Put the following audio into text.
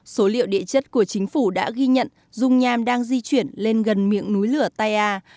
số liệu địa chất của chính phủ đã ghi nhận rung nham đang di chuyển lên gần miệng núi lửa ta an